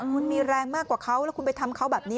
คุณมีแรงมากกว่าเขาแล้วคุณไปทำเขาแบบนี้